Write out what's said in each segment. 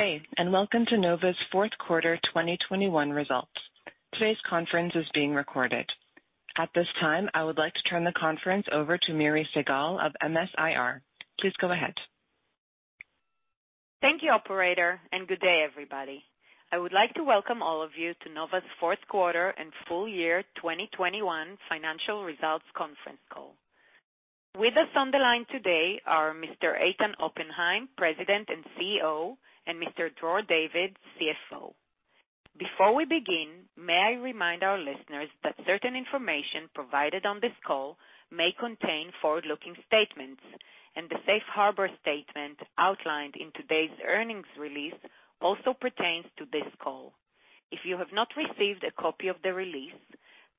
Good day, and Welcome to Nova's Q4, 2021 Results. Today's conference is being recorded. At this time, I would like to turn the conference over to Miri Segal of MS-IR. Please go ahead. Thank you, operator, and good day, everybody. I would like to welcome all of you to Nova's Q4 and Full-Year 2021 Financial Results Conference Call. With us on the line today are Mr. Eitan Oppenheim, President and CEO, and Mr. Dror David, CFO. Before we begin, may I remind our listeners that certain information provided on this call may contain forward-looking statements, and the safe harbor statement outlined in today's earnings release also pertains to this call. If you have not received a copy of the release,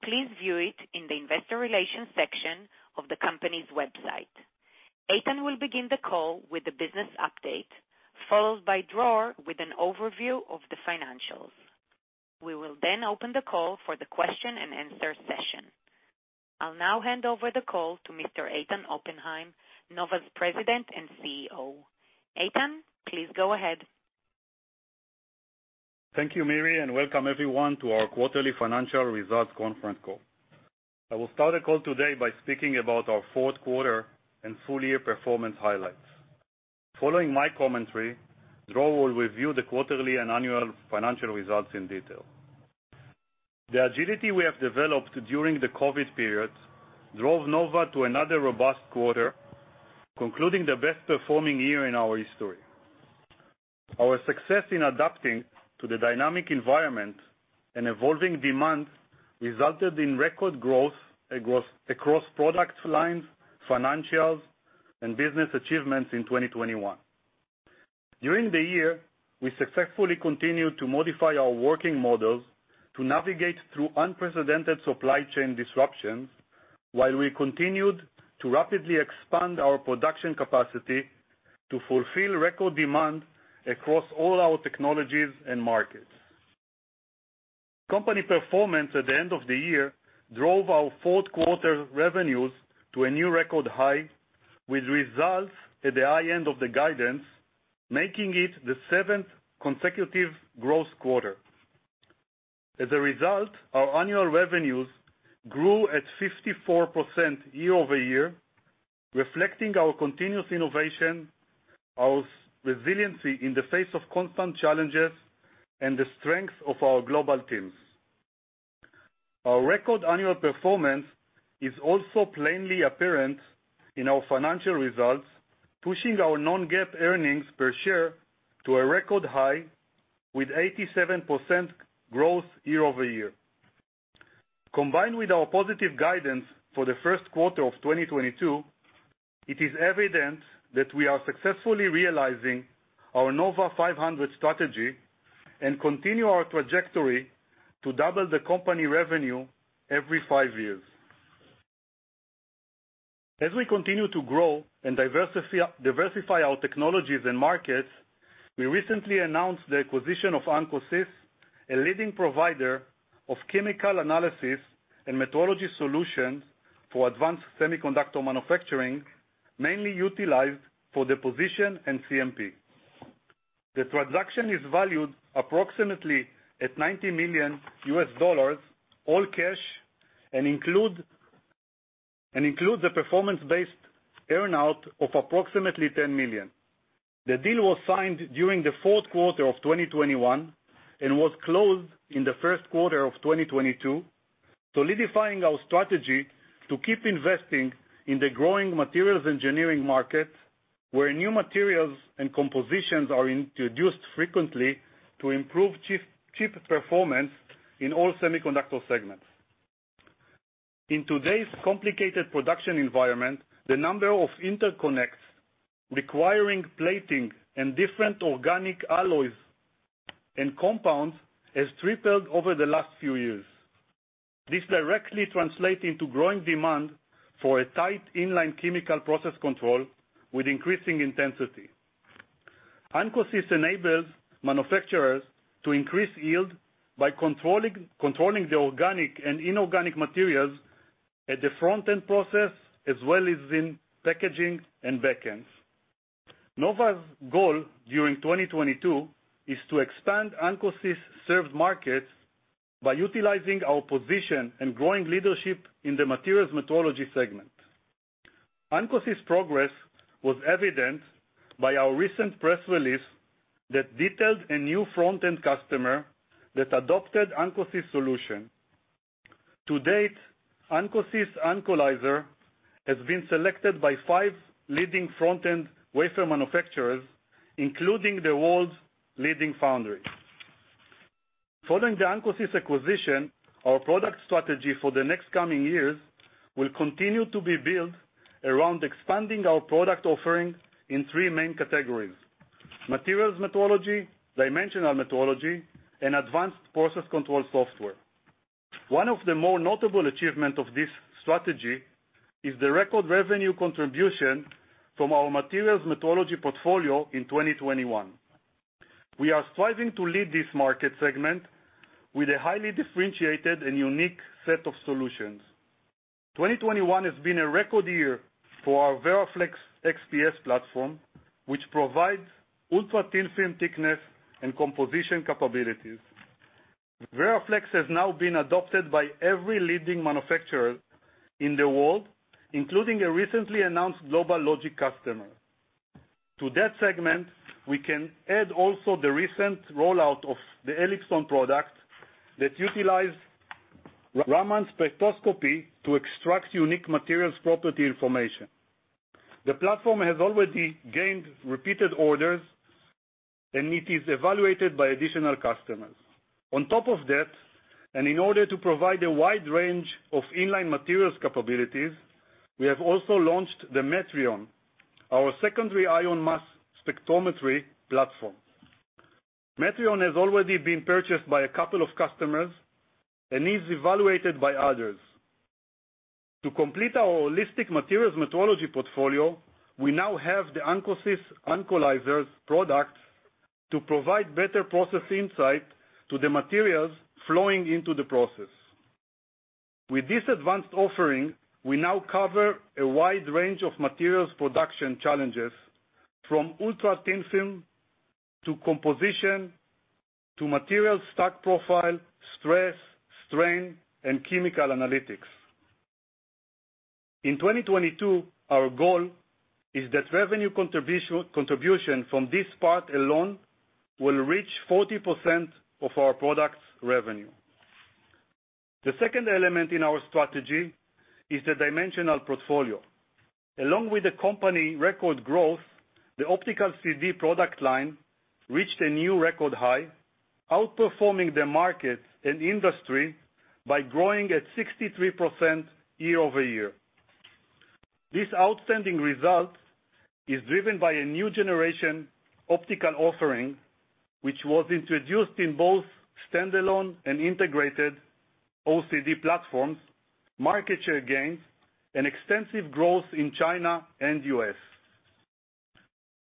please view it in the investor relations section of the company's website. Eitan will begin the call with the business update, followed by Dror with an overview of the financials. We will then open the call for the question-and-answer session. I'll now hand over the call to Mr. Eitan Oppenheim, Nova's President and CEO. Eitan, please go ahead. Thank you, Miri, and welcome everyone to our quarterly financial results conference call. I will start the call today by speaking about our fourth quarter and full year performance highlights. Following my commentary, Dror will review the quarterly and annual financial results in detail. The agility we have developed during the COVID period drove Nova to another robust quarter, concluding the best-performing year in our history. Our success in adapting to the dynamic environment and evolving demands resulted in record growth across product lines, financials and business achievements in 2021. During the year, we successfully continued to modify our working models to navigate through unprecedented supply chain disruptions while we continued to rapidly expand our production capacity to fulfill record demand across all our technologies and markets. Company performance at the end of the year drove our Q4 revenues to a new record high, with results at the high end of the guidance, making it the seventh consecutive growth quarter. As a result, our annual revenues grew at 54% YoY, reflecting our continuous innovation, our resiliency in the face of constant challenges, and the strength of our global teams. Our record annual performance is also plainly apparent in our financial results, pushing our non-GAAP earnings per share to a record high with 87% growth YoY. Combined with our positive guidance for the Q1 of 2022, it is evident that we are successfully realizing our Nova 500 strategy and continue our trajectory to double the company revenue every five years. As we continue to grow and diversify our technologies and markets, we recently announced the acquisition of Ancosys, a leading provider of chemical analysis and metrology solutions for advanced semiconductor manufacturing, mainly utilized for deposition and CMP. The transaction is valued approximately at $90 million, all cash, and includes a performance-based earn-out of approximately $10 million. The deal was signed during the Q4 of 2021 and was closed in the Q1 of 2022, solidifying our strategy to keep investing in the growing materials engineering market, where new materials and compositions are introduced frequently to improve chip performance in all semiconductor segments. In today's complicated production environment, the number of interconnects requiring plating and different organic alloys and compounds has tripled over the last few years. This directly translates into growing demand for a tight in-line chemical process control with increasing intensity. Ancosys enables manufacturers to increase yield by controlling the organic and inorganic materials at the front-end process as well as in packaging and backends. Nova's goal during 2022 is to expand Ancosys served markets by utilizing our position and growing leadership in the materials metrology segment. Ancosys progress was evident by our recent press release that detailed a new front-end customer that adopted Ancosys solution. To date, Ancosys' AncoLyzer has been selected by five leading front-end wafer manufacturers, including the world's leading foundry. Following the Ancosys acquisition, our product strategy for the next coming years will continue to be built around expanding our product offering in three main categories, materials metrology, dimensional metrology, and advanced process control software. One of the more notable achievement of this strategy is the record revenue contribution from our materials metrology portfolio in 2021. We are striving to lead this market segment with a highly differentiated and unique set of solutions. 2021 has been a record year for our VeraFlex XPS platform, which provides ultra-thin film thickness and composition capabilities. VeraFlex has now been adopted by every leading manufacturer in the world, including a recently announced global logic customer. To that segment, we can add also the recent rollout of the ELIPSON product that utilize Raman spectroscopy to extract unique materials property information. The platform has already gained repeated orders, and it is evaluated by additional customers. On top of that, and in order to provide a wide range of in-line materials capabilities, we have also launched the METRION, our secondary ion mass spectrometry platform. METRION has already been purchased by a couple of customers and is evaluated by others. To complete our holistic materials metrology portfolio, we now have the Ancosys AncoLyzer products to provide better process insight to the materials flowing into the process. With this advanced offering, we now cover a wide range of materials production challenges from ultra-thin film to composition to material stack profile, stress, strain, and chemical analytics. In 2022, our goal is that revenue contribution from this part alone will reach 40% of our products revenue. The second element in our strategy is the dimensional portfolio. Along with the company record growth, the optical CD product line reached a new record high, outperforming the market and industry by growing at 63% YoY. This outstanding result is driven by a new generation optical offering, which was introduced in both standalone and integrated OCD platforms, market share gains, and extensive growth in China and U.S..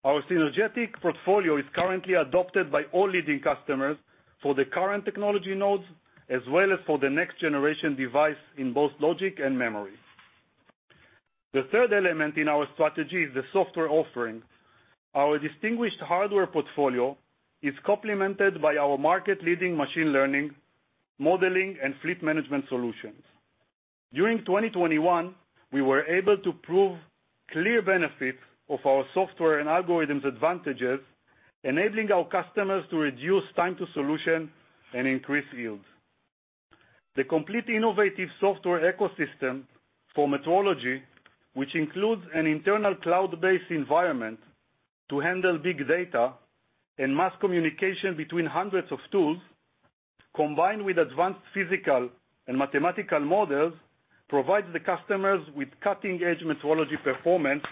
Our synergetic portfolio is currently adopted by all leading customers for the current technology nodes, as well as for the next generation device in both logic and memory. The third element in our strategy is the software offering. Our distinguished hardware portfolio is complemented by our market leading machine learning, modeling, and fleet management solutions. During 2021, we were able to prove clear benefits of our software and algorithms advantages, enabling our customers to reduce time to solution and increase yields. The complete innovative software ecosystem for metrology, which includes an internal cloud-based environment to handle big data and mass communication between hundreds of tools, combined with advanced physical and mathematical models, provides the customers with cutting-edge metrology performance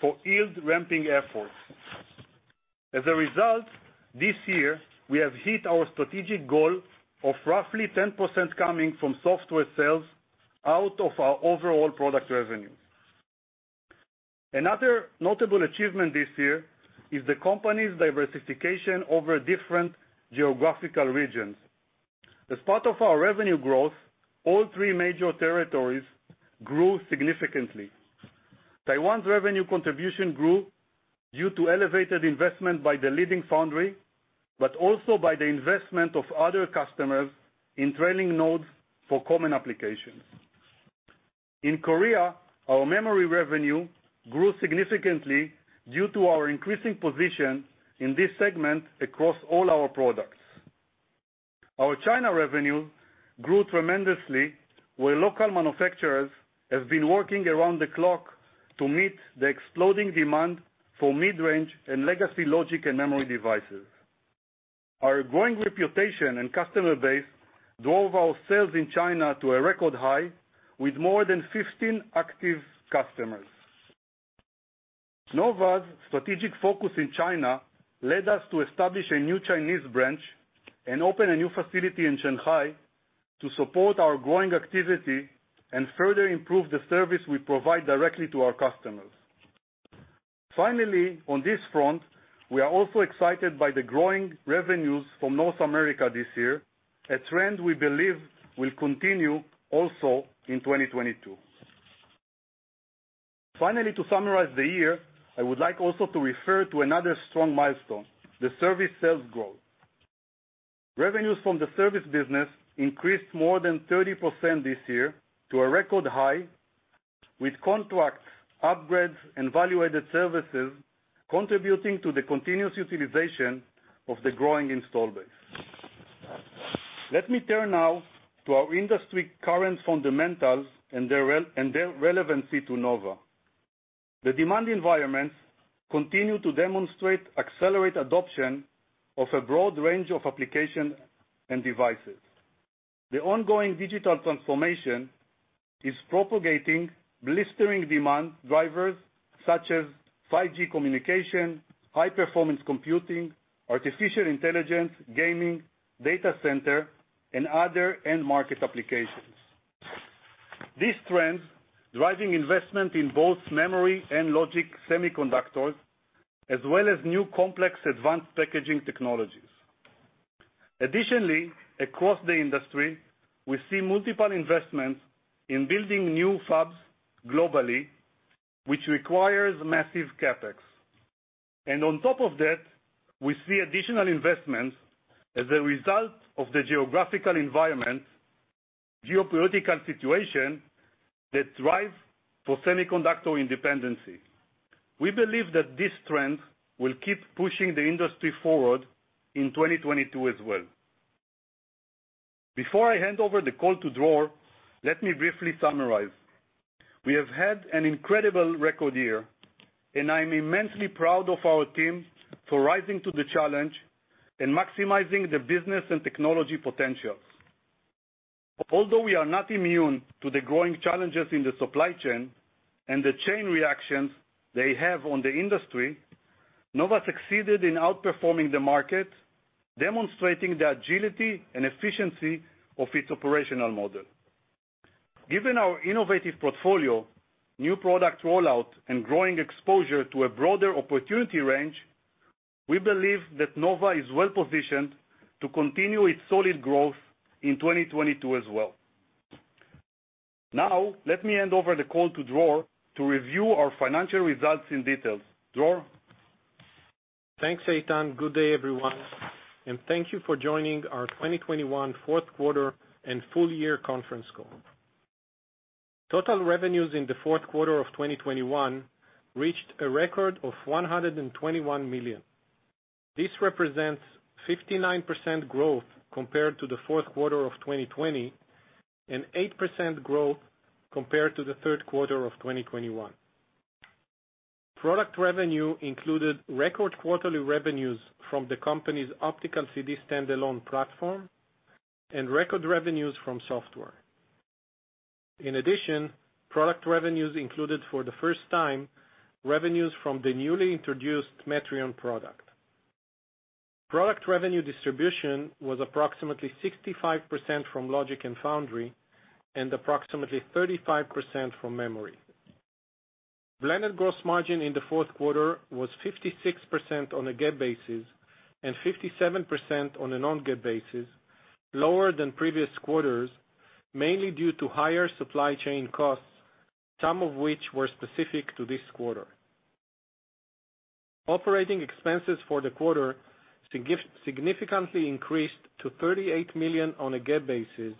for yield ramping efforts. As a result, this year, we have hit our strategic goal of roughly 10% coming from software sales out of our overall product revenue. Another notable achievement this year is the company's diversification over different geographical regions. As part of our revenue growth, all three major territories grew significantly. Taiwan's revenue contribution grew due to elevated investment by the leading foundry, but also by the investment of other customers in training nodes for common applications. In Korea, our memory revenue grew significantly due to our increasing position in this segment across all our products. Our China revenue grew tremendously, where local manufacturers have been working around the clock to meet the exploding demand for mid-range and legacy logic and memory devices. Our growing reputation and customer base drove our sales in China to a record high with more than 15 active customers. Nova's strategic focus in China led us to establish a new Chinese branch and open a new facility in Shanghai to support our growing activity and further improve the service we provide directly to our customers. Finally, on this front, we are also excited by the growing revenues from North America this year, a trend we believe will continue also in 2022. Finally, to summarize the year, I would like also to refer to another strong milestone, the service sales growth. Revenues from the service business increased more than 30% this year to a record high, with contracts, upgrades, and value-added services contributing to the continuous utilization of the growing install base. Let me turn now to our industry current fundamentals and their relevancy to Nova. The demand environments continue to demonstrate accelerated adoption of a broad range of applications and devices. The ongoing digital transformation is propagating blistering demand drivers such as 5G communication, high-performance computing, artificial intelligence, gaming, data center, and other end market applications. These trends driving investment in both memory and logic semiconductors, as well as new complex advanced packaging technologies. Additionally, across the industry, we see multiple investments in building new fabs globally, which requires massive CapEx. On top of that, we see additional investments as a result of the geographical environment, geopolitical situation that drive for semiconductor independence. We believe that this trend will keep pushing the industry forward in 2022 as well. Before I hand over the call to Dror, let me briefly summarize. We have had an incredible record year, and I'm immensely proud of our team for rising to the challenge and maximizing the business and technology potentials. Although we are not immune to the growing challenges in the supply chain and the chain reactions they have on the industry, Nova succeeded in outperforming the market, demonstrating the agility and efficiency of its operational model. Given our innovative portfolio, new product rollout, and growing exposure to a broader opportunity range, we believe that Nova is well-positioned to continue its solid growth in 2022 as well. Now, let me hand over the call to Dror to review our financial results in details. Dror. Thanks, Eitan. Good day, everyone, and thank you for joining Our 2021 Q4 and Full Year Conference Call. Total revenues in the Q4 of 2021 reached a record of $121 million. This represents 59% growth compared to the Q4 of 2020, and 8% growth compared to the Q3 of 2021. Product revenue included record quarterly revenues from the company's optical CD standalone platform and record revenues from software. In addition, product revenues included for the first time, revenues from the newly introduced Metrion product. Product revenue distribution was approximately 65% from logic and foundry, and approximately 35% from memory. Blended gross margin in the Q4 was 56% on a GAAP basis and 57% on a non-GAAP basis, lower than previous quarters, mainly due to higher supply chain costs, some of which were specific to this quarter. Operating expenses for the quarter significantly increased to $38 million on a GAAP basis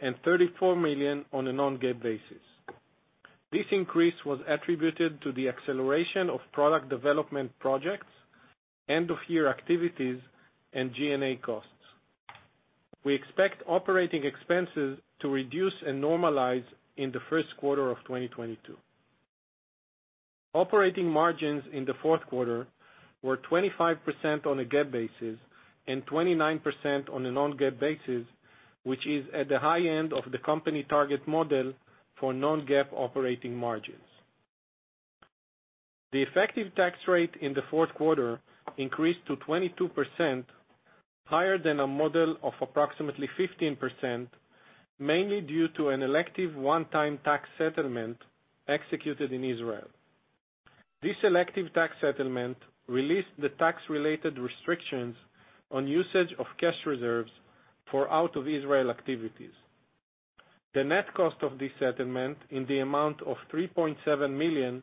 and $34 million on a non-GAAP basis. This increase was attributed to the acceleration of product development projects, end-of-year activities, and G&A costs. We expect operating expenses to reduce and normalize in the Q1 of 2022. Operating margins in the Q4 were 25% on a GAAP basis and 29% on a non-GAAP basis, which is at the high end of the company target model for non-GAAP operating margins. The effective tax rate in the Q4 increased to 22%, higher than a model of approximately 15%, mainly due to an elective one-time tax settlement executed in Israel. This elective tax settlement released the tax-related restrictions on usage of cash reserves for out of Israel activities. The net cost of this settlement in the amount of $3.7 million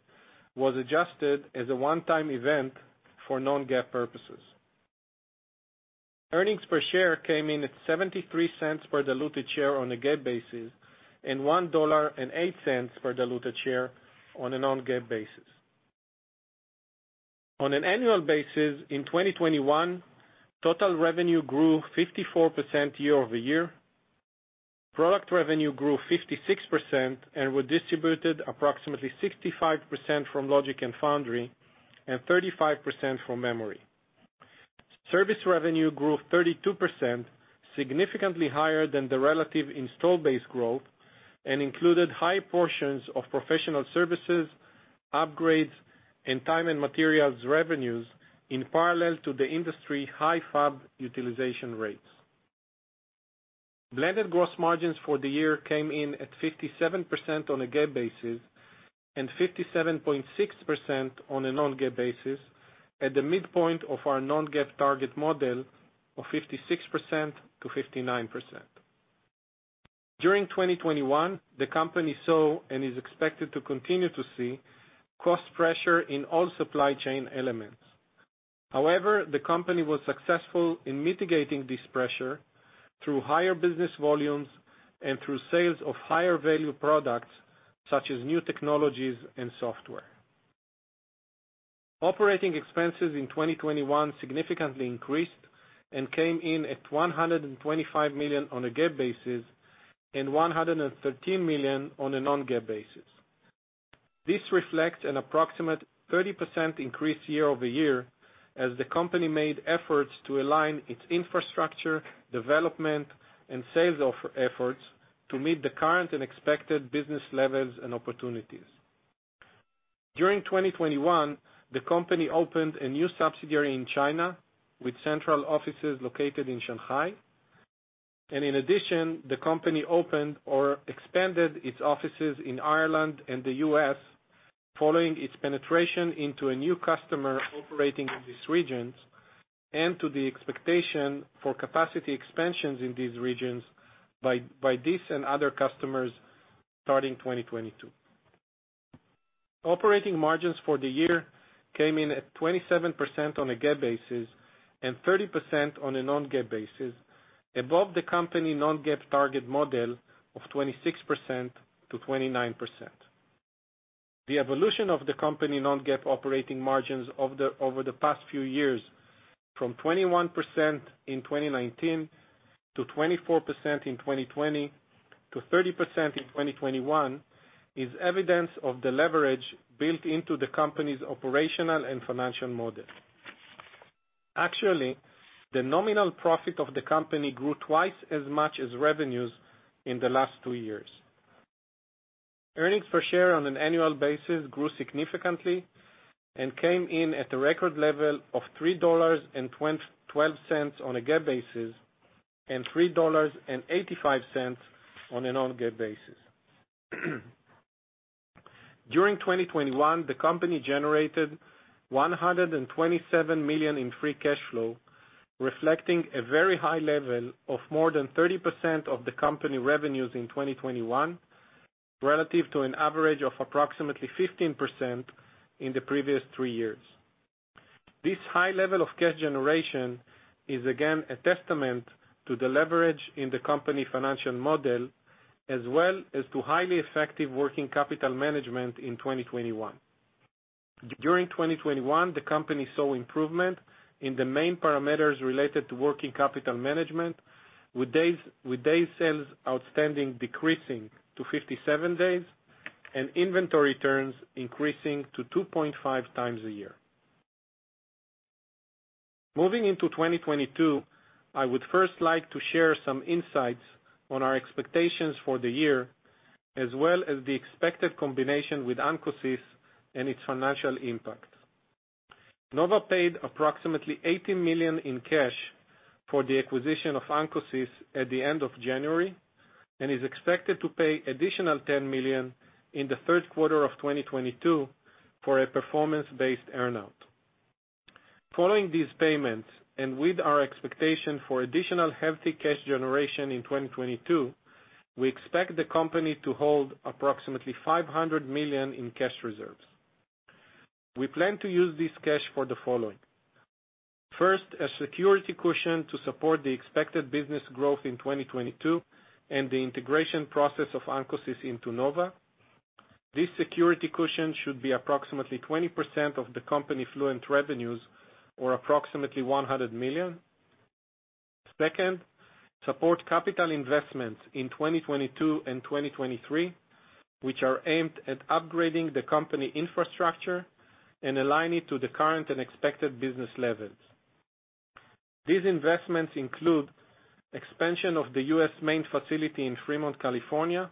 was adjusted as a one-time event for non-GAAP purposes. Earnings per share came in at $0.73 per diluted share on a GAAP basis and $1.08 per diluted share on a non-GAAP basis. On an annual basis in 2021, total revenue grew 54% YoY. Product revenue grew 56% and were distributed approximately 65% from logic and foundry and 35% from memory. Service revenue grew 32%, significantly higher than the relative install base growth and included high portions of professional services, upgrades, and time and materials revenues in parallel to the industry high fab utilization rates. Blended gross margins for the year came in at 57% on a GAAP basis and 57.6% on a non-GAAP basis at the midpoint of our non-GAAP target model of 56% to 59%. During 2021, the company saw and is expected to continue to see cost pressure in all supply chain elements. However, the company was successful in mitigating this pressure through higher business volumes and through sales of higher value products such as new technologies and software. Operating expenses in 2021 significantly increased and came in at 125 million on a GAAP basis and 113 million on a non-GAAP basis. This reflects an approximate 30% increase YoY as the company made efforts to align its infrastructure, development, and sales offer efforts to meet the current and expected business levels and opportunities. During 2021, the company opened a new subsidiary in China with central offices located in Shanghai. In addition, the company opened or expanded its offices in Ireland and the U.S., following its penetration into a new customer operating in these regions, and to the expectation for capacity expansions in these regions by this and other customers starting 2022. Operating margins for the year came in at 27% on a GAAP basis and 30% on a non-GAAP basis, above the company non-GAAP target model of 26% to 29%. The evolution of the company's non-GAAP operating margins over the past few years from 21% in 2019, to 24% in 2020, to 30% in 2021 is evidence of the leverage built into the company's operational and financial model. Actually, the nominal profit of the company grew twice as much as revenues in the last two years. Earnings per share on an annual basis grew significantly and came in at a record level of $3.12 on a GAAP basis and $3.85 on a non-GAAP basis. During 2021, the company generated $127 million in free cash flow, reflecting a very high level of more than 30% of the company revenues in 2021, relative to an average of approximately 15% in the previous three years. This high level of cash generation is again a testament to the leverage in the company financial model, as well as to highly effective working capital management in 2021. During 2021, the company saw improvement in the main parameters related to working capital management with days sales outstanding decreasing to 57 days and inventory turns increasing to 2.5x a year. Moving into 2022, I would first like to share some insights on our expectations for the year, as well as the expected combination with Ancosys and its financial impact. Nova paid approximately $80 million in cash for the acquisition of Ancosys at the end of January, and is expected to pay additional $10 million in the third quarter of 2022 for a performance-based earn-out. Following these payments, and with our expectation for additional hefty cash generation in 2022, we expect the company to hold approximately $500 million in cash reserves. We plan to use this cash for the following. First, a security cushion to support the expected business growth in 2022 and the integration process of Ancosys into Nova. This security cushion should be approximately 20% of the company full-year revenues, or approximately $100 million. Second, to support capital investments in 2022 and 2023, which are aimed at upgrading the company infrastructure and align it to the current and expected business levels. These investments include expansion of the U.S. main facility in Fremont, California,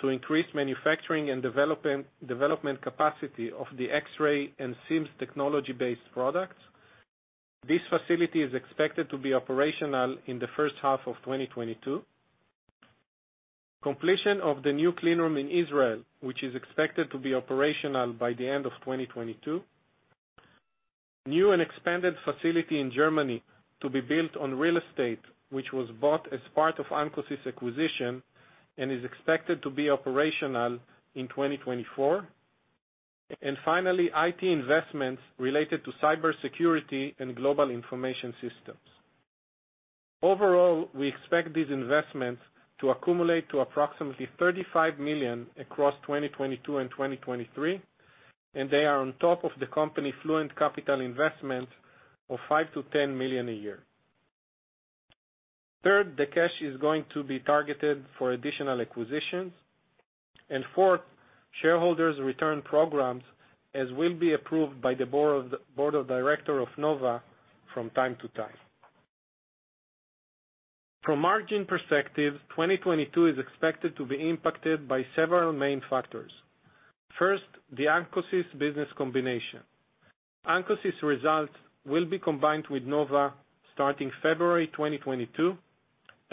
to increase manufacturing and development capacity of the X-ray and SIMS technology-based products. This facility is expected to be operational in the H1 of 2022. Completion of the new clean room in Israel, which is expected to be operational by the end of 2022. New and expanded facility in Germany to be built on real estate, which was bought as part of Ancosys acquisition and is expected to be operational in 2024. Finally, IT investments related to cybersecurity and global information systems. Overall, we expect these investments to accumulate to approximately $35 million across 2022 and 2023, and they are on top of the company full-year capital investment of $5 to $10 million a year. Third, the cash is going to be targeted for additional acquisitions. Fourth, shareholders return programs as will be approved by the board of directors of Nova from time to time. From margin perspective, 2022 is expected to be impacted by several main factors. First, the Ancosys business combination. Ancosys results will be combined with Nova starting February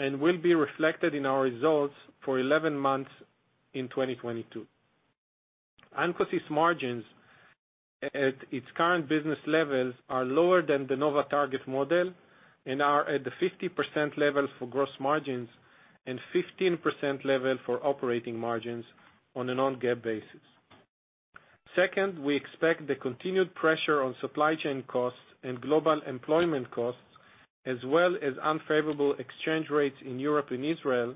2022 and will be reflected in our results for 11 months in 2022. Ancosys margins at its current business levels are lower than the Nova target model and are at the 50% level for gross margins and 15% level for operating margins on a non-GAAP basis. Second, we expect the continued pressure on supply chain costs and global employment costs as well as unfavorable exchange rates in Europe and Israel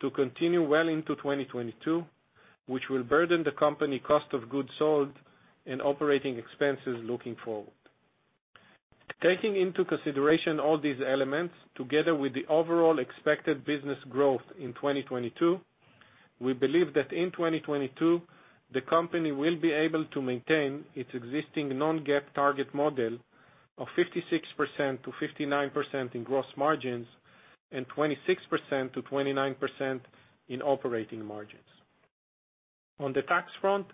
to continue well into 2022, which will burden the company's cost of goods sold and operating expenses looking forward. Taking into consideration all these elements together with the overall expected business growth in 2022, we believe that in 2022, the company will be able to maintain its existing non-GAAP target model of 56% to 59% in gross margins and 26% to 29% in operating margins. On the tax front,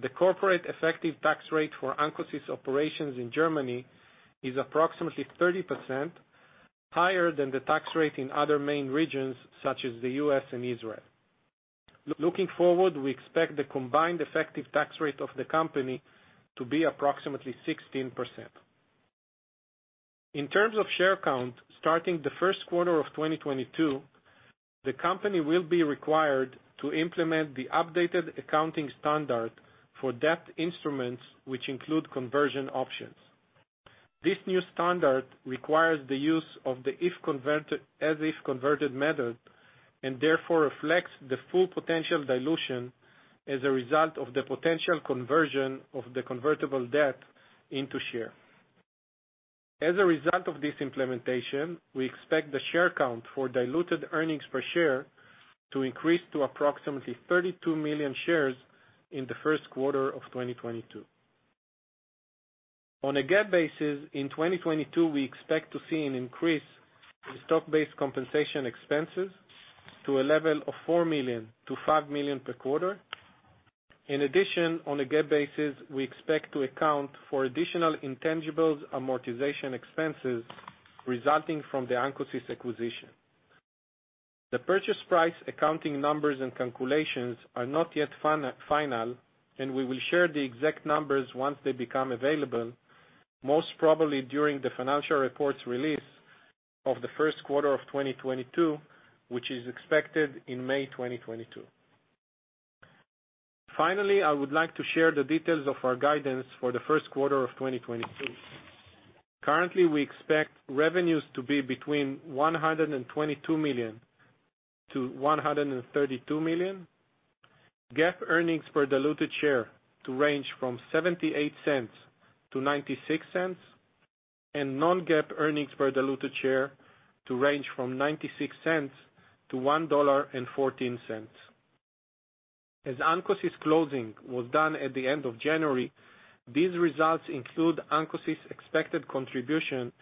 the corporate effective tax rate for ancosys operations in Germany is approximately 30% higher than the tax rate in other main regions such as the U.S. and Israel. Looking forward, we expect the combined effective tax rate of the company to be approximately 16%. In terms of share count, starting the Q1 of 2022, the company will be required to implement the updated accounting standard for debt instruments, which include conversion options. This new standard requires the use of the as if converted method, and therefore reflects the full potential dilution as a result of the potential conversion of the convertible debt into shares. As a result of this implementation, we expect the share count for diluted earnings per share to increase to approximately 32 million shares in the Q1 of 2022. On a GAAP basis, in 2022, we expect to see an increase in stock-based compensation expenses to a level of $4 to $5 million per quarter. In addition, on a GAAP basis, we expect to account for additional intangibles amortization expenses resulting from the ancosys acquisition. The purchase price accounting numbers and calculations are not yet final, and we will share the exact numbers once they become available, most probably during the financial reports release of the Q1 of 2022, which is expected in May 2022. Finally, I would like to share the details of our guidance for the Q1 of 2022. Currently, we expect revenues to be between $122 to $132 million, GAAP earnings per diluted share to range from $0.78 to $0.96, and non-GAAP earnings per diluted share to range from $0.96 to $1.14. As ancosys closing was done at the end of January, these results include ancosys expected contribution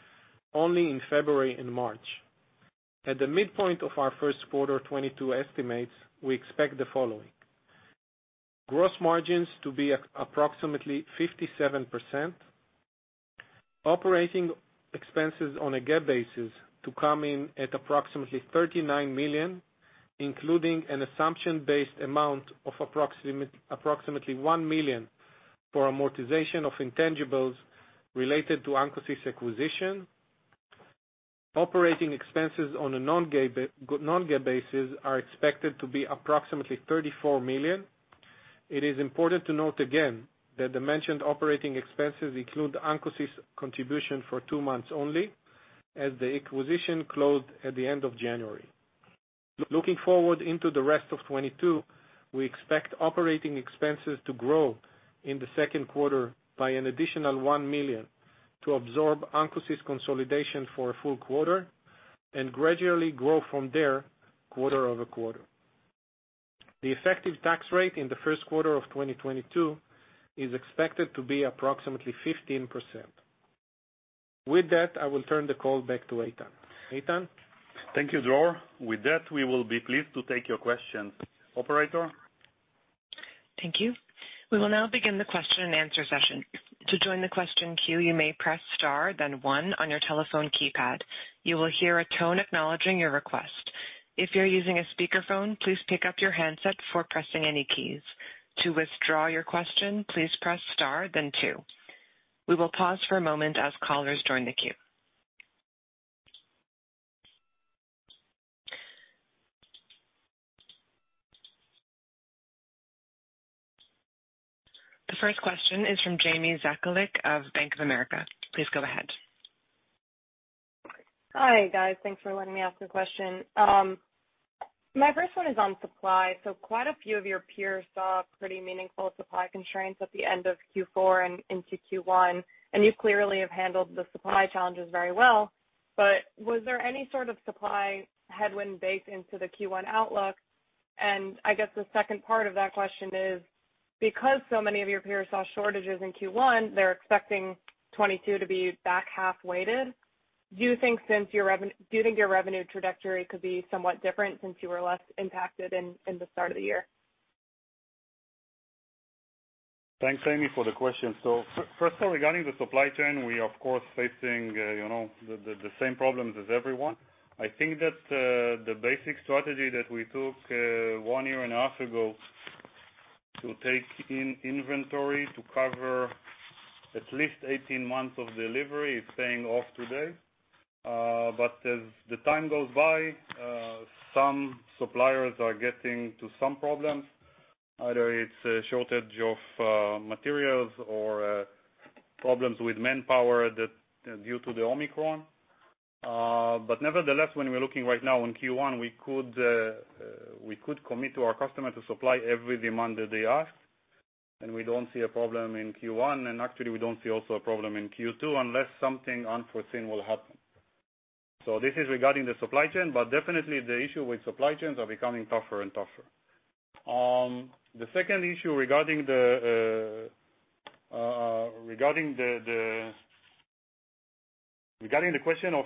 only in February and March. At the midpoint of our Q1 2022 estimates, we expect the following. Gross margins to be approximately 57%. Operating expenses on a GAAP basis to come in at approximately $39 million, including an assumption-based amount of approximately $1 million for amortization of intangibles related to ancosys acquisition. Operating expenses on a non-GAAP basis are expected to be approximately $34 million. It is important to note again that the mentioned operating expenses include ancosys contribution for two months only, as the acquisition closed at the end of January. Looking forward into the rest of 2022, we expect operating expenses to grow in the second quarter by an additional $1 million to absorb ancosys consolidation for a full quarter and gradually grow from there quarter-over-quarter. The effective tax rate in the Q1 of 2022 is expected to be approximately 15%. With that, I will turn the call back to Eitan. Eitan? Thank you, Dror. With that, we will be pleased to take your questions. Operator? Thank you. We will now begin the Q&A session. To join the question queue, you may press star then one on your telephone keypad. You will hear a tone acknowledging your request. If you're using a speakerphone, please pick up your handset before pressing any keys. To withdraw your question, please press star then two. We will pause for a moment as callers join the queue. The first question is from Jamie Zakalik of Bank of America. Please go ahead. Hi, guys. Thanks for letting me ask a question. My first one is on supply. Quite a few of your peers saw pretty meaningful supply constraints at the end of Q4 and into Q1, and you clearly have handled the supply challenges very well. Was there any sort of supply headwind baked into the Q1 outlook? I guess the second part of that question is, because so many of your peers saw shortages in Q1, they're expecting 2022 to be back half weighted. Do you think your revenue trajectory could be somewhat different since you were less impacted in the start of the year? Thanks, Jamie, for the question. First off regarding the supply chain, we are of course facing, you know, the same problems as everyone. I think that the basic strategy that we took 1.5 years ago to take in inventory to cover at least 18 months of delivery is paying off today. But as the time goes by, some suppliers are getting into some problems. Either it's a shortage of materials or problems with manpower that is due to the Omicron. But nevertheless, when we're looking right now in Q1, we could commit to our customers to supply every demand that they ask, and we don't see a problem in Q1, and actually, we don't see also a problem in Q2 unless something unforeseen will happen. This is regarding the supply chain, but definitely the issue with supply chains are becoming tougher and tougher. The second issue regarding the question of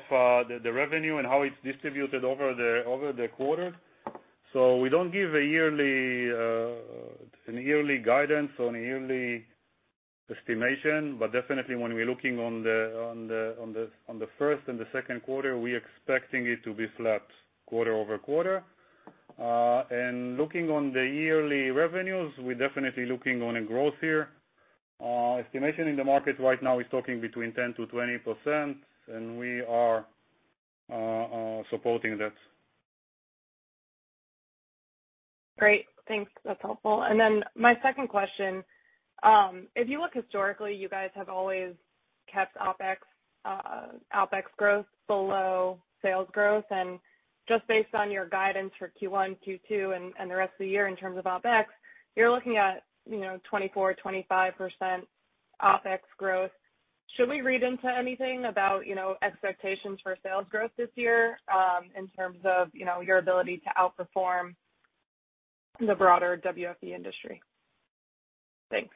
the revenue and how it's distributed over the quarter. We don't give a yearly guidance or a yearly estimation, but definitely when we're looking on the Q1 and the Q2 we're expecting it to be flat quarter-over-quarter. Looking on the yearly revenues, we're definitely looking on a growth here. Estimation in the market right now is talking between 10% to 20%, and we are supporting that. Great. Thanks. That's helpful. My second question, if you look historically, you guys have always kept OpEx growth below sales growth. Just based on your guidance for Q1, Q2, and the rest of the year in terms of OpEx, you're looking at, you know, 24% to 25% OpEx growth. Should we read into anything about, you know, expectations for sales growth this year in terms of, you know, your ability to outperform the broader WFE industry? Thanks.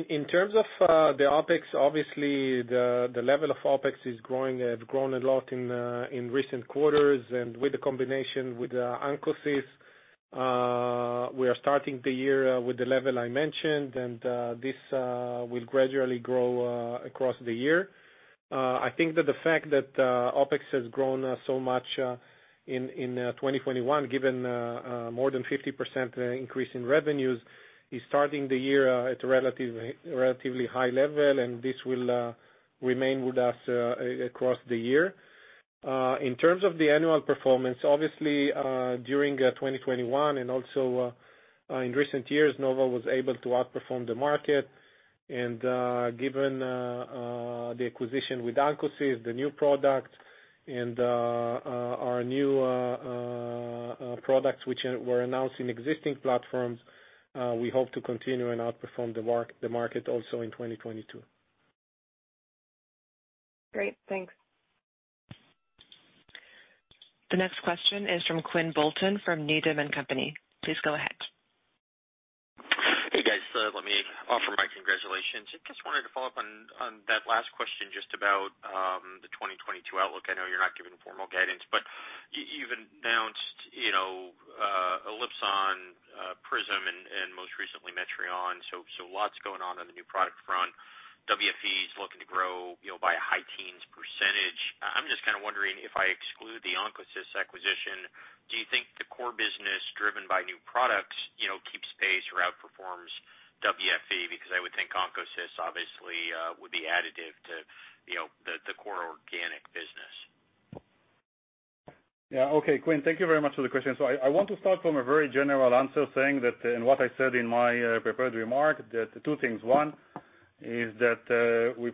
In terms of the OpEx, obviously the level of OpEx is growing. It had grown a lot in recent quarters. With the combination with ancosys, we are starting the year with the level I mentioned, and this will gradually grow across the year. I think that the fact that OpEx has grown so much in 2021, given more than 50% increase in revenues, is starting the year at a relatively high level, and this will remain with us across the year. In terms of the annual performance, obviously, during 2021 and also in recent years, Nova was able to outperform the market. Given the acquisition with ancosys, the new product and our new products which were announced in existing platforms, we hope to continue and outperform the market also in 2022. Great. Thanks. The next question is from Quinn Bolton from Needham & Company. Please go ahead. Hey, guys. Let me offer my congratulations. I just wanted to follow up on that last question just about the 2022 outlook. I know you're not giving formal guidance, but you've announced, you know, ELIPSON, PRISM and most recently METRION. Lots going on the new product front. WFE is looking to grow, you know, by a high-teens %. I'm just kinda wondering if I exclude the ancosys acquisition, do you think the core business driven by new products, you know, keeps pace or outperforms WFE? Because I would think ancosys obviously would be additive to, you know, the core organic business. Yeah. Okay, Quinn, thank you very much for the question. I want to start from a very general answer saying that, and what I said in my prepared remark, that two things. One is that we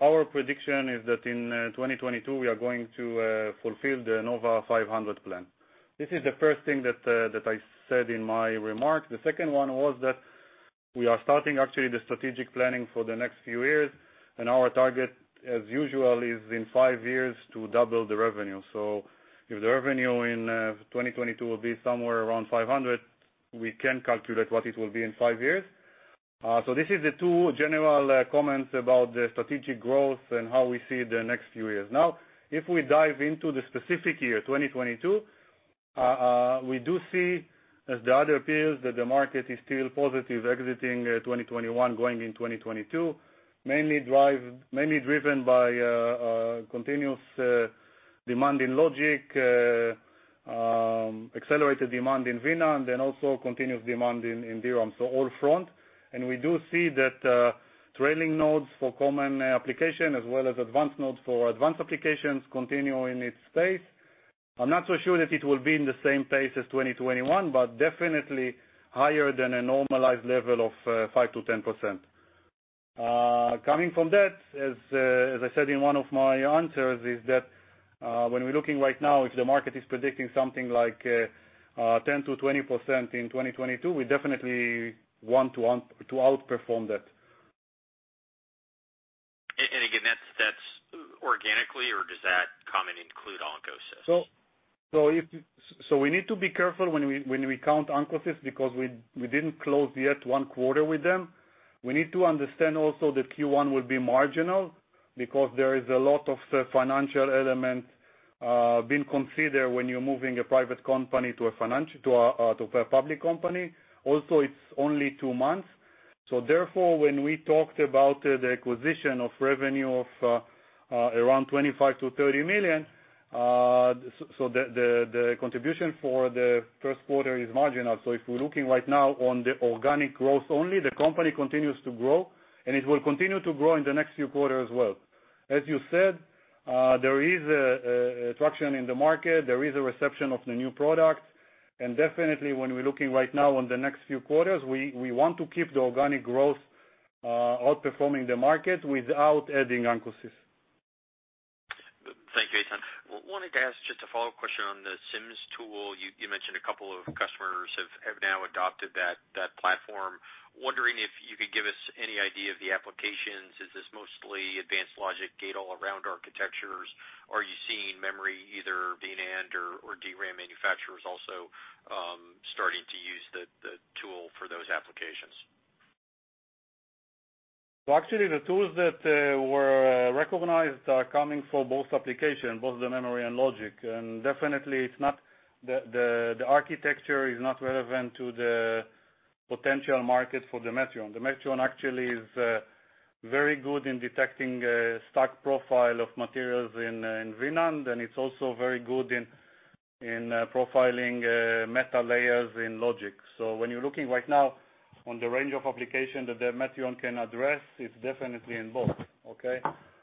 our prediction is that in 2022, we are going to fulfill the Nova 500 plan. This is the first thing that I said in my remarks. The second one was that we are starting actually the strategic planning for the next few years, and our target, as usual, is in five years to double the revenue. If the revenue in 2022 will be somewhere around 500, we can calculate what it will be in five years. This is the two general comments about the strategic growth and how we see the next few years. Now, if we dive into the specific year, 2022, we do see as the other peers that the market is still positive exiting, 2021, going in 2022, mainly driven by continuous demand in logic, accelerated demand in VNAND, and then also continuous demand in DRAM. So all front. We do see that trailing nodes for common application as well as advanced nodes for advanced applications continue in its pace. I'm not so sure that it will be in the same pace as 2021, but definitely higher than a normalized level of 5% to 10%. Coming from that, as I said in one of my answers, is that when we're looking right now, if the market is predicting something like 10% to 20% in 2022, we definitely want to outperform that. again, that's organically or does that comment include ancosys? We need to be careful when we count ancosys because we didn't close yet one quarter with them. We need to understand also that Q1 will be marginal because there is a lot of financial elements being considered when you're moving a private company to a public company. Also, it's only two months. Therefore, when we talked about the acquisition of revenue of around $25 to $30 million, the contribution for the Q1 is marginal. If we're looking right now on the organic growth only, the company continues to grow, and it will continue to grow in the next few quarters as well. As you said, there is a traction in the market. There is a reception of the new products. Definitely when we're looking right now on the next few quarters, we want to keep the organic growth outperforming the market without adding Ancosys. Thank you, Eitan. Wanted to ask just a follow-up question on the SIMS tool. You mentioned a couple of customers. Adopted that platform. Wondering if you could give us any idea of the applications. Is this mostly advanced logic gate-all-around architectures? Are you seeing memory, either NAND or DRAM manufacturers also starting to use the tool for those applications? Well, actually the tools that were recognized are coming for both applications, both the memory and logic. Definitely the architecture is not relevant to the potential market for the METRION. The METRION actually is very good in detecting stack profile of materials in NAND, and it's also very good in profiling metal layers in logic. When you're looking right now on the range of applications that the METRION can address, it's definitely in both, okay?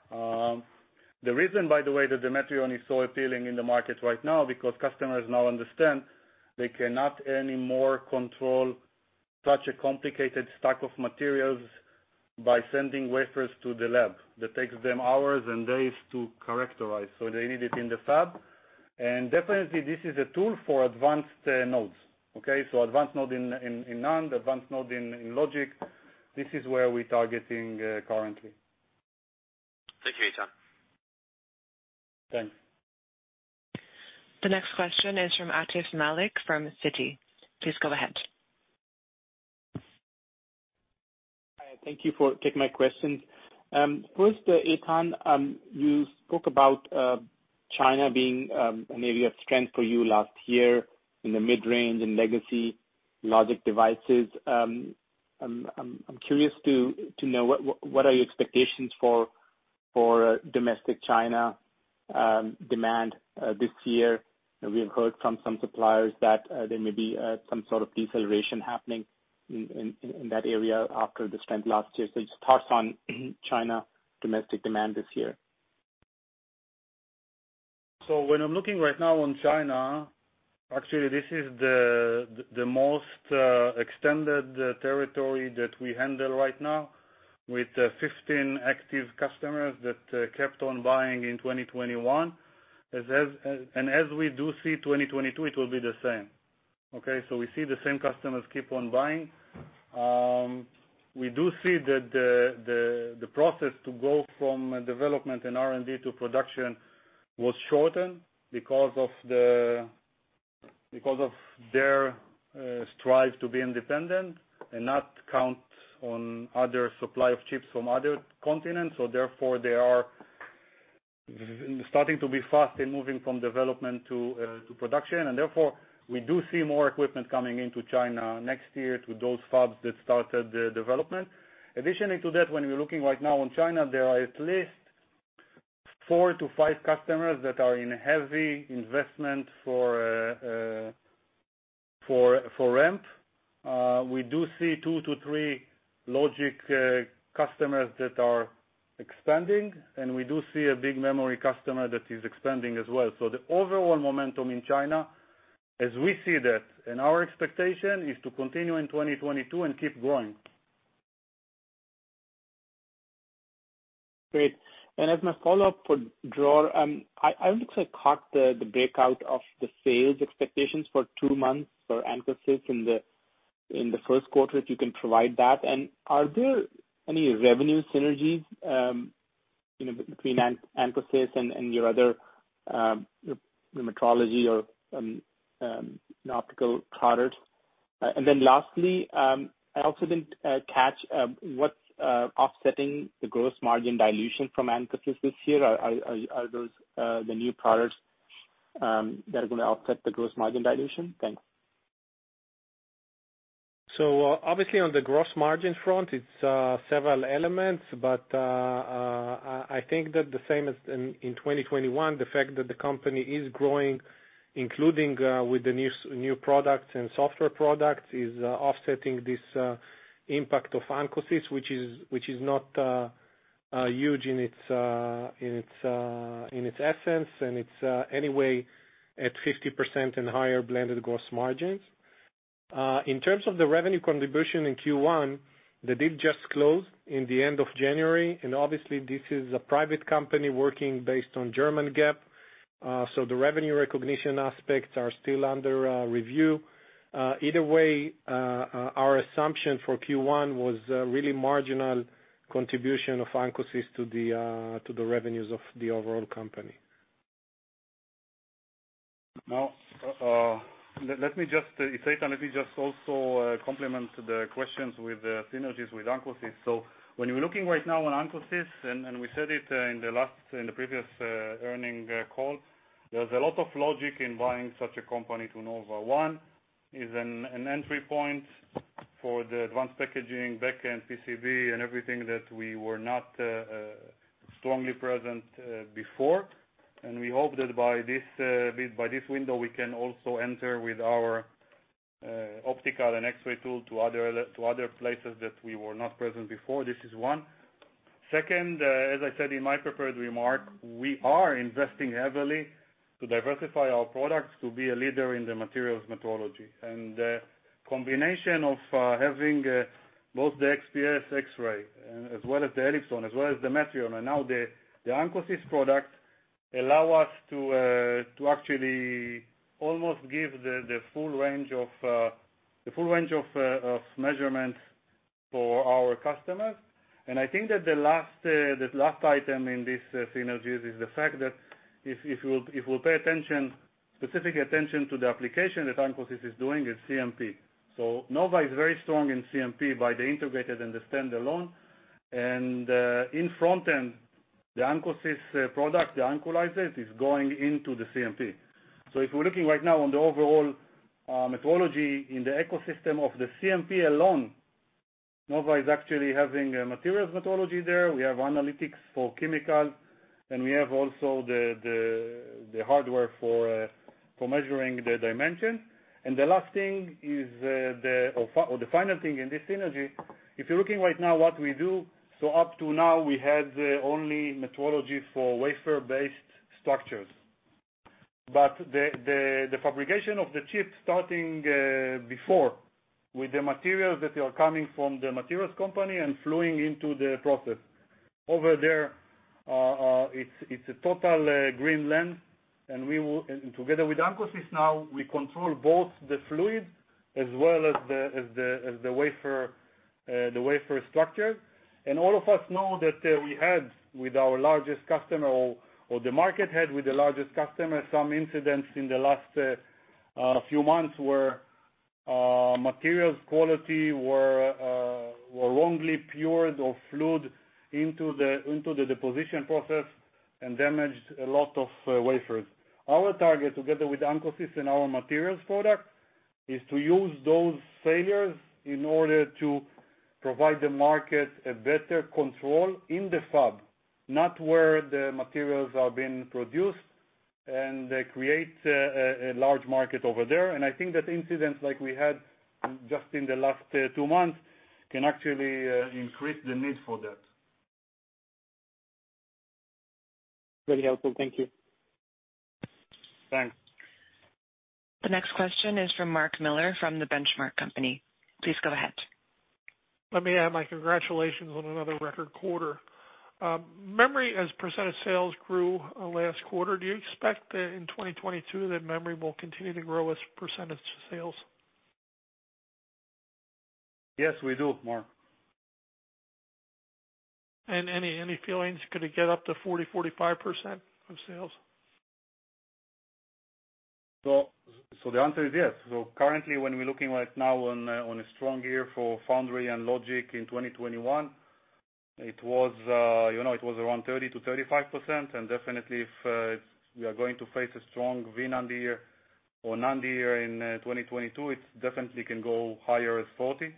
The reason by the way that the METRION is so appealing in the market right now, because customers now understand they cannot anymore control such a complicated stack of materials by sending wafers to the lab. That takes them hours and days to characterize, so they need it in the fab. Definitely this is a tool for advanced nodes. Okay? Advanced node in NAND, advanced node in Logic, this is where we're targeting currently. Thank you, Eitan. Thanks. The next question is from Atif Malik from Citi. Please go ahead. Hi, thank you for taking my questions. First, Eitan, you spoke about China being an area of strength for you last year in the mid-range in legacy logic devices. I'm curious to know what are your expectations for domestic China demand this year. We have heard from some suppliers that there may be some sort of deceleration happening in that area after the strength last year. Just thoughts on China domestic demand this year. When I'm looking right now on China, actually this is the most extended territory that we handle right now with 15 active customers that kept on buying in 2021. As we do see 2022, it will be the same. Okay? We see the same customers keep on buying. We do see that the process to go from development and R&D to production was shortened because of their strive to be independent and not count on other supply of chips from other continents. Therefore, they are starting to be fast in moving from development to production. Therefore, we do see more equipment coming into China next year to those fabs that started the development. Additionally to that, when we're looking right now in China, there are at least four to five customers that are in heavy investment for ramp. We do see tow to three logic customers that are expanding, and we do see a big memory customer that is expanding as well. The overall momentum in China, as we see that, and our expectation, is to continue in 2022 and keep growing. Great. As my follow-up for Dror, I don't think I caught the breakdown of the sales expectations for two months for Ancosys in the Q1, if you can provide that. Are there any revenue synergies, you know, between Ancosys and your other metrology or optical products? Lastly, I also didn't catch what's offsetting the gross margin dilution from Ancosys this year. Are those the new products that are gonna offset the gross margin dilution? Thanks. Obviously on the gross margin front, it's several elements, but I think that the same as in 2021, the fact that the company is growing, including with the new products and software products, is offsetting this impact of Ancosys, which is not huge in its essence, and it's anyway at 50% and higher blended gross margins. In terms of the revenue contribution in Q1, the deal just closed in the end of January, and obviously this is a private company working based on German GAAP, so the revenue recognition aspects are still under review. Either way, our assumption for Q1 was really marginal contribution of Ancosys to the revenues of the overall company. Now, Eitan, let me just also complement the questions with the synergies with Ancosys. When you're looking right now on Ancosys, and we said it in the last previous earnings call, there's a lot of logic in buying such a company to Nova. One is an entry point for the advanced packaging, backend PCB, and everything that we were not strongly present before. We hope that by this window we can also enter with our optical and X-ray tool to other places that we were not present before. This is one. Second, as I said in my prepared remarks, we are investing heavily to diversify our products to be a leader in the materials metrology. Combination of having both the XPS X-ray as well as the ELIPSON, as well as the METRION, and now the Ancosys product allows us to actually almost give the full range of measurements for our customers. I think that the last item in this synergies is the fact that if we pay specific attention to the application that Ancosys is doing at CMP. Nova is very strong in CMP by the integrated and the standalone. In front end, the Ancosys product, the Ancolyzer, is going into the CMP. If we're looking right now on the overall metrology in the ecosystem of the CMP alone, Nova is actually having a materials metrology there. We have analytics for chemicals, and we have also the hardware for measuring the dimension. The last thing is the final thing in this synergy, if you're looking right now what we do, so up to now we had only metrology for wafer-based structures. The fabrication of the chip starting before with the materials that are coming from the materials company and flowing into the process. Over there, it's a total greenfield, and together with Ancosys now, we control both the fluid as well as the wafer structure. All of us know that we had with our largest customer or the market had with the largest customer some incidents in the last few months where materials quality were wrongly poured or fluids into the deposition process and damaged a lot of wafers. Our target together with Ancosys and our materials product is to use those failures in order to provide the market a better control in the fab, not where the materials are being produced, and create a large market over there. I think that incidents like we had just in the last two months can actually increase the need for that. Very helpful. Thank you. Thanks. The next question is from Mark Miller from The Benchmark Company. Please go ahead. Let me add my congratulations on another record quarter. Memory as % of sales grew last quarter. Do you expect that in 2022 that memory will continue to grow as % of sales? Yes, we do, Mark. Any feelings, could it get up to 40% to 45% of sales? The answer is yes. Currently, when we're looking right now on a strong year for foundry and logic in 2021, it was around 30% to 35%. Definitely if we are going to face a strong VNAND year or NAND year in 2022, it definitely can go higher as 40%.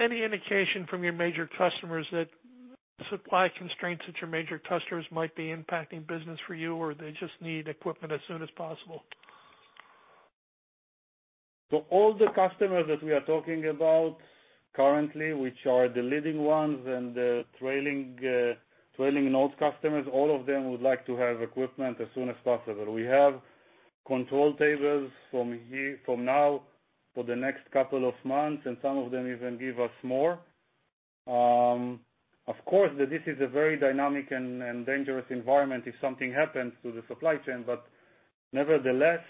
Any indication from your major customers that supply constraints might be impacting business for you, or they just need equipment as soon as possible? All the customers that we are talking about currently, which are the leading ones and the trailing node customers, all of them would like to have equipment as soon as possible. We have control tables from now for the next couple of months, and some of them even give us more. Of course, this is a very dynamic and dangerous environment if something happens to the supply chain. Nevertheless,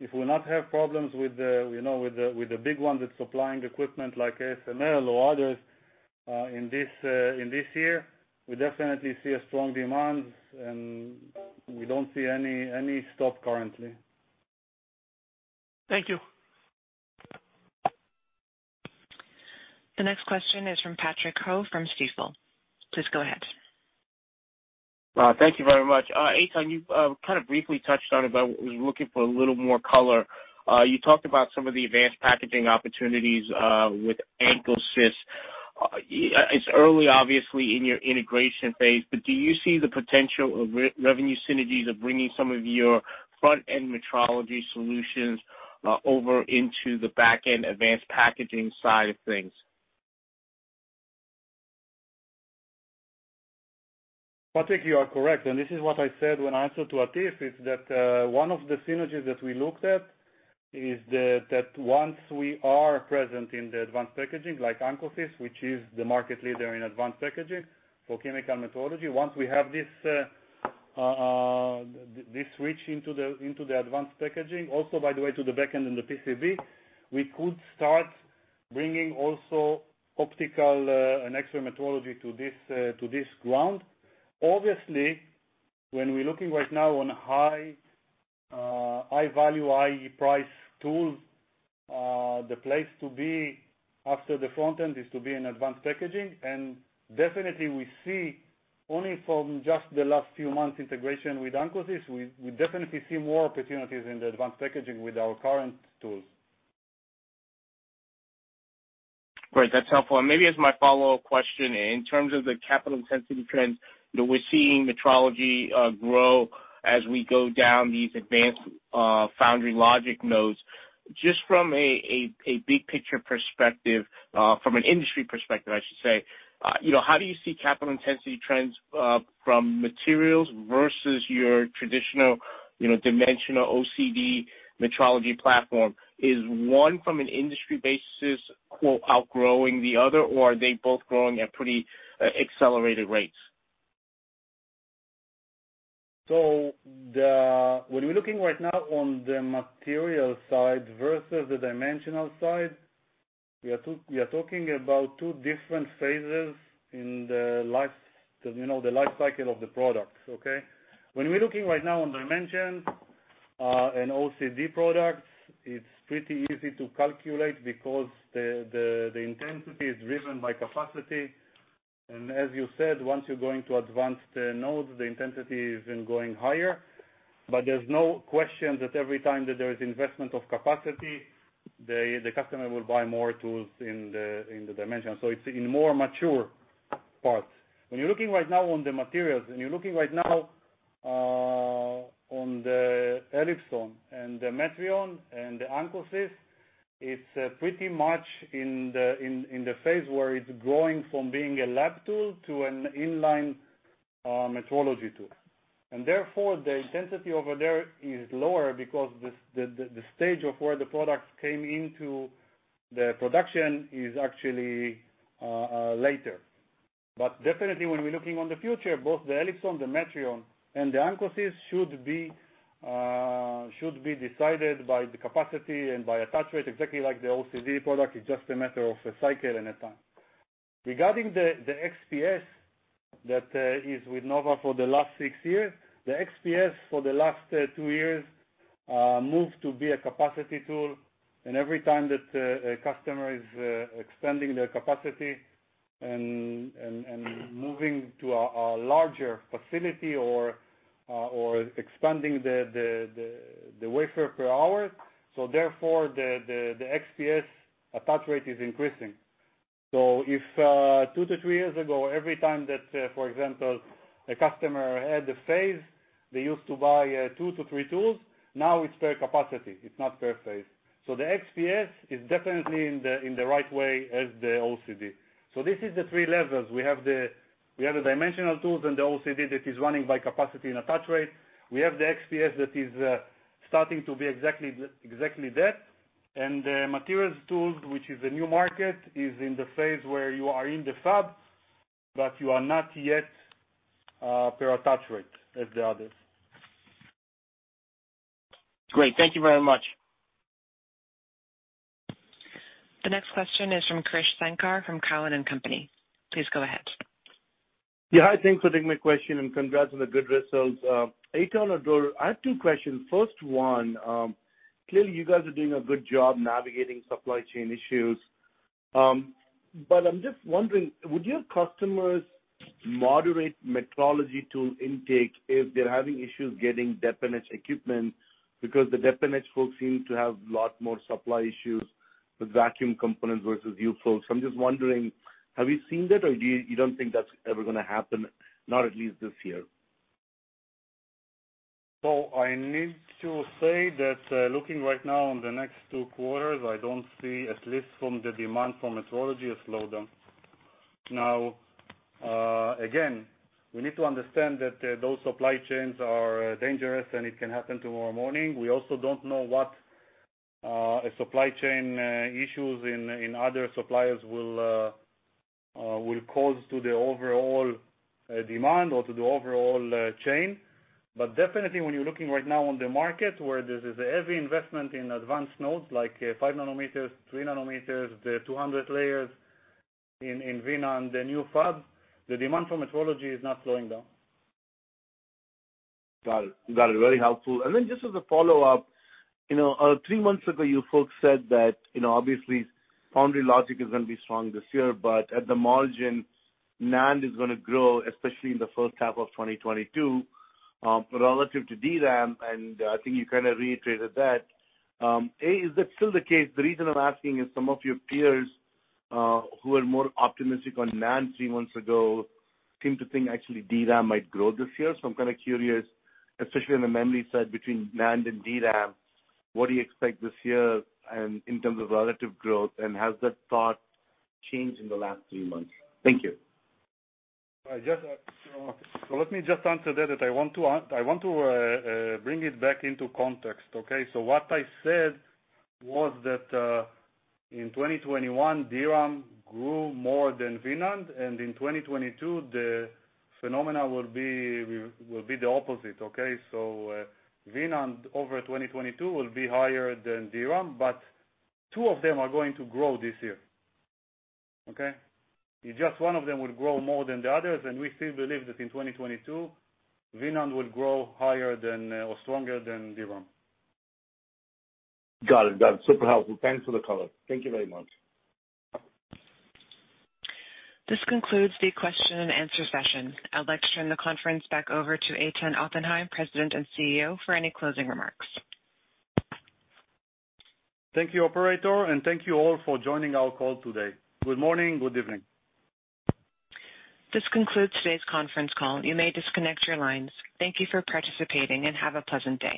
if we not have problems with the, you know, with the big ones that's supplying equipment like ASML or others, in this year, we definitely see a strong demand, and we don't see any stop currently. Thank you. The next question is from Patrick Ho from Stifel. Please go ahead. Thank you very much. Eitan, you kind of briefly touched on it, but I was looking for a little more color. You talked about some of the advanced packaging opportunities with Ancosys. It's early obviously in your integration phase, but do you see the potential of revenue synergies of bringing some of your front-end metrology solutions over into the back-end advanced packaging side of things? Patrick, you are correct, and this is what I said when I answered to Atif, is that one of the synergies that we looked at is the, that once we are present in the advanced packaging, like Ancosys, which is the market leader in advanced packaging for chemical metrology. Once we have this switch into the advanced packaging, also, by the way, to the back end in the PCB, we could start bringing also optical and X-ray metrology to this ground. Obviously, when we're looking right now on high value, high price tools, the place to be after the front end is to be in advanced packaging. Definitely we see only from just the last few months integration with Ancosys, we definitely see more opportunities in the advanced packaging with our current tools. Great. That's helpful. Maybe as my follow-up question, in terms of the capital intensity trends, you know, we're seeing metrology grow as we go down these advanced foundry logic nodes. Just from a big picture perspective, from an industry perspective, I should say, you know, how do you see capital intensity trends from materials versus your traditional, you know, dimensional OCD metrology platform? Is one from an industry basis quote outgrowing the other, or are they both growing at pretty accelerated rates? When we're looking right now on the material side versus the dimensional side, we are talking about two different phases in the life, you know, the life cycle of the products, okay? When we're looking right now on dimension and OCD products, it's pretty easy to calculate because the intensity is driven by capacity. As you said, once you're going to advance the nodes, the intensity is then going higher. There's no question that every time that there is investment of capacity, the customer will buy more tools in the dimension. It's in more mature parts. When you're looking right now on the materials, on the ELIPSON and the METRION and the ancosys, it's pretty much in the phase where it's going from being a lab tool to an in-line metrology tool. Therefore, the intensity over there is lower because the stage of where the products came into the production is actually later. Definitely when we're looking on the future, both the ELIPSON, the METRION, and the ancosys should be decided by the capacity and by attach rate, exactly like the OCD product. It's just a matter of a cycle and a time. Regarding the XPS that is with Nova for the last six years, the XPS for the last two years moved to be a capacity tool. Every time that a customer is expanding their capacity and moving to a larger facility or expanding the wafer per hour, so therefore the XPS attach rate is increasing. If two to three years ago, every time that for example a customer had a phase, they used to buy two to three tools. Now it's per capacity, it's not per phase. The XPS is definitely in the right way as the OCD. This is the three levels. We have the dimensional tools and the OCD that is running by capacity and attach rate. We have the XPS that is starting to be exactly that. The materials tools, which is a new market, is in the phase where you are in the fab, but you are not yet per attach rate as the others. Great. Thank you very much. The next question is from Krish Sankar from Cowen and Company. Please go ahead. Yeah. Hi, thanks for taking my question, and congrats on the good results. Eitan Oppenheim, I have two questions. First one, clearly you guys are doing a good job navigating supply chain issues. But I'm just wondering, would your customers moderate metrology tool intake if they're having issues getting Dep and Etch equipment? Because the Dep and Etch folks seem to have a lot more supply issues with vacuum components versus you folks. So I'm just wondering, have you seen that or do you don't think that's ever gonna happen, not at least this year? I need to say that, looking right now on the next two quarters, I don't see, at least from the demand for metrology, a slowdown. Again, we need to understand that those supply chains are dangerous and it can happen tomorrow morning. We also don't know what supply chain issues in other suppliers will cause to the overall demand or to the overall chain. Definitely when you're looking right now on the market where there is a heavy investment in advanced nodes, like five nanometers, three nanometers, the 200 layers in VNAND on the new fab, the demand for metrology is not slowing down. Got it. Very helpful. Then just as a follow-up, you know, three months ago, you folks said that, you know, obviously foundry logic is gonna be strong this year, but at the margin, NAND is gonna grow, especially in the H1 of 2022, relative to DRAM, and I think you kinda reiterated that. A, is that still the case? The reason I'm asking is some of your peers who were more optimistic on NAND three months ago seem to think actually DRAM might grow this year. I'm kinda curious, especially on the memory side between NAND and DRAM, what do you expect this year in terms of relative growth, and has that thought changed in the last three months? Thank you. I just. Let me just answer that. I want to bring it back into context, okay? What I said was that in 2021, DRAM grew more than VNAND, and in 2022, the phenomena will be the opposite, okay? VNAND over 2022 will be higher than DRAM, but two of them are going to grow this year. Okay? It's just one of them will grow more than the others, and we still believe that in 2022, VNAND will grow higher than or stronger than DRAM. Got it. Got it. Super helpful. Thanks for the color. Thank you very much. This concludes the question and answer session. I'd like to turn the conference back over to Eitan Oppenheim, President and CEO, for any closing remarks. Thank you, operator, and thank you all for joining our call today. Good morning, good evening. This concludes today's conference call. You may disconnect your lines. Thank you for participating, and have a pleasant day.